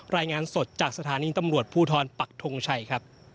รายงานสดจากสถานีตำรวจภูทรปักทงชัยครับ